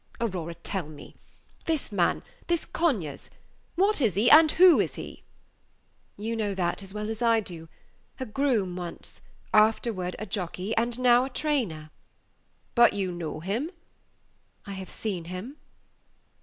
Aurora, tell me this man, this Conyers what is he, and who is he?" "You know that as well as I do. A groom once; afterward a jockey; and now a trainer." "But you know him?" "I have seen him."